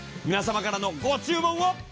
皆様からのご注文を。